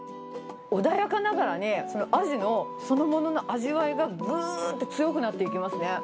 穏やかながらに、そのアジの、そのものの味わいがぐーっと強くなっていきますね。